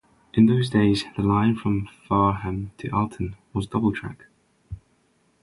In those days the line from Farnham to Alton was double track.